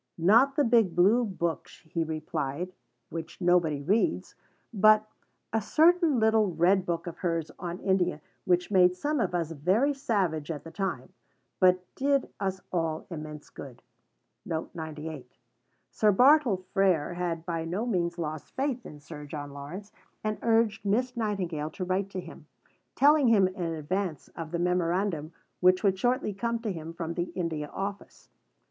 Not the big Blue book, he replied, which nobody reads, but "a certain little red book of hers on India which made some of us very savage at the time, but did us all immense good." Sir Bartle Frere had by no means lost faith in Sir John Lawrence, and urged Miss Nightingale to write to him, telling him in advance of the Memorandum which would shortly come to him from the India Office.